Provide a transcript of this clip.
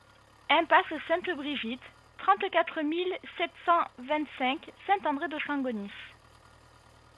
Impasse Sainte-Brigitte, trente-quatre mille sept cent vingt-cinq Saint-André-de-Sangonis